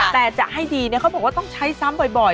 แต่จะให้ดีเขาบอกว่าต้องใช้ซ้ำบ่อย